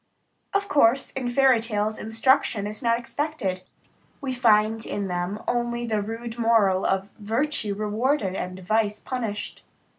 Of course, in fairy tales, instruction is not expected; we find in them only the rude moral of virtue rewarded and vice punished.